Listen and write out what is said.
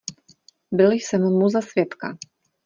Byl jsem mu za svědka.